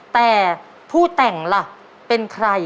แต่ผู้แต่งล่ะเป็นใคร